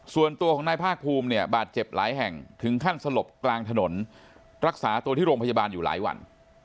ส่วนตัวของนายภาคภูมิเนี่ยบาดเจ็บหลายแห่งถึงขั้นสลบกลางถนนรักษาตัวที่โรงพยาบาลอยู่หลายวัน